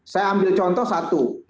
saya amblie contoh satu